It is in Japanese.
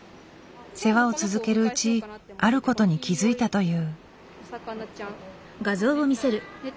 世話を続けるうちあることに気付いたという。